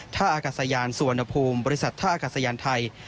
ท่าอากาศยานสุวรรณภูมิบริษัทท่าอากาศยานไทย